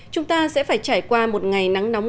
chúng ta sẽ phải trải qua một ngày nắng nóng